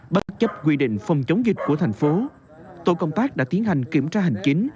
bất chấp quy định phòng chống dịch của thành phố tổ công tác đã tiến hành kiểm tra hành chính